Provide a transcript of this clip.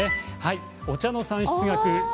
お茶の産出額